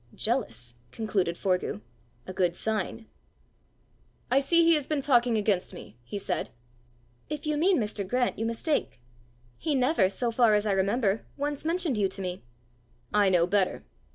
"Jealous!" concluded Forgue; " a good sign!" "I see he has been talking against me!" he said. "If you mean Mr. Grant, you mistake. He never, so far as I remember, once mentioned you to me." "I know better!"